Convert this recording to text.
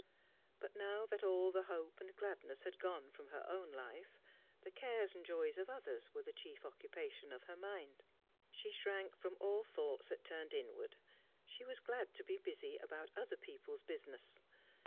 But now that all the hope and gladness had gone from her own life, the cares and joys of others were the chief occupation of her mind. She shrank from all thoughts that turned inward. She was glad to be busy about other people's business.